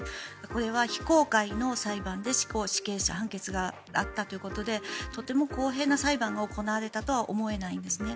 これは非公開の裁判で死刑判決があったということでとても公平な裁判が行われたとは思えないんですよね。